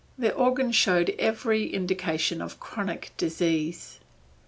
The organ showed every indication of chronic disease.